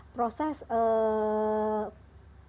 proses kurasi itu berubah